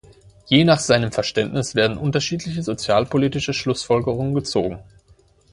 Je nach seinem Verständnis werden unterschiedliche sozialpolitische Schlussfolgerungen gezogen.